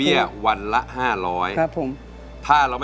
สวัสดีครับ